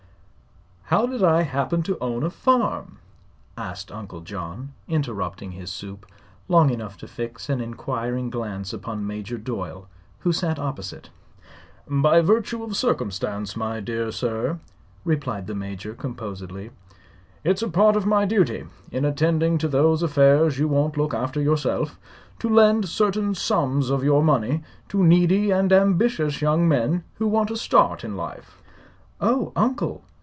"How did I happen to own a farm?" asked Uncle John, interrupting his soup long enough to fix an inquiring glance upon Major Doyle, who sat opposite. "By virtue of circumstance, my dear sir," replied the Major, composedly. "It's a part of my duty, in attending to those affairs you won't look afther yourself, to lend certain sums of your money to needy and ambitious young men who want a start in life." "Oh, Uncle!